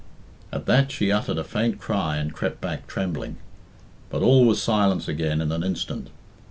At that she uttered a faint cry and crept back trembling. But all was silence again in an instant.